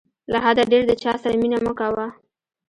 له حده ډېر د چاسره مینه مه کوه.